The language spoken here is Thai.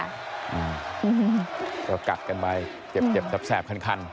แล้วกักกันไปเจ็บเจ็บแซบแซบคันคัน